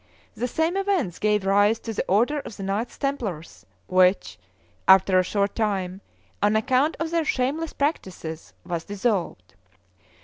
The same events gave rise to the order of the Knights Templars, which, after a short time, on account of their shameless practices, was dissolved.